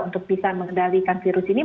untuk bisa mengendalikan virus ini